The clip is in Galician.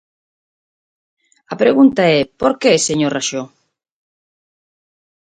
A pregunta é: ¿por que, señor Raxó?